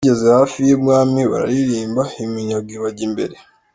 Zigeze hafi y’ibwami bararirimba, iminyago ibajya imbere.